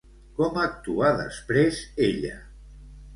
Com actua després ella?